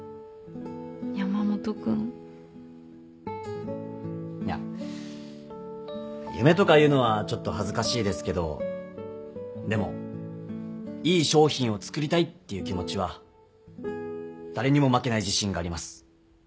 山本君。いや夢とか言うのはちょっと恥ずかしいですけどでもいい商品を作りたいっていう気持ちは誰にも負けない自信があります。